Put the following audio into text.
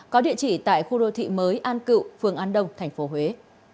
có địa chỉ tại khu đô thị mới an cựu phường an đông tp huế